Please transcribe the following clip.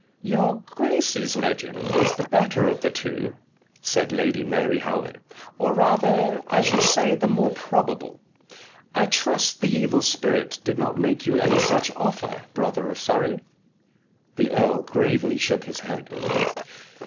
"Your grace's legend is the better of the two," said Lady Mary Howard, "or rather, I should say, the more probable. I trust the evil spirit did not make you any such offer, brother of Surrey?" The earl gravely shook his head.